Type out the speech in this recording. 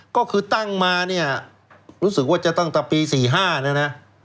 ก็คือตั้งมารู้สึกว่าจะตั้งตั้งปี๑๙๔๕น่ะนะ